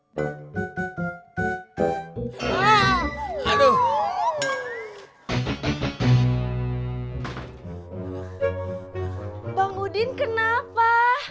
bang udin kenapa